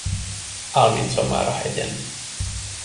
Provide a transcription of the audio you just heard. Áll, mint szamár a hegyen.